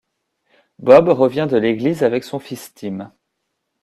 Bob revient de l'église avec son fils Tim.